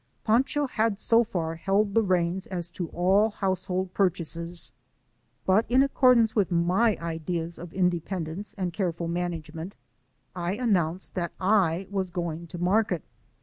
Fancho had so far held the reins as to all household purciiases, but in accordance with my ideas of independence and careful manage ment, I announced that I was going to market.